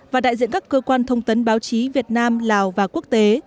và đại diện các cơ quan thông tấn báo chí việt nam lào và quốc tế